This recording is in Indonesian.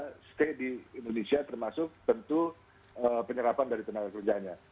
jadi value chain itu nilai tambahnya tetap ada stay di indonesia termasuk tentu penyerapan dari tenaga kerjaannya